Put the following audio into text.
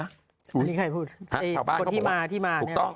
อันนี้ใครพูดคนที่มาที่มาเนี่ย